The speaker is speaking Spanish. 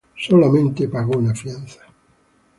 Solamente pagó una fianza.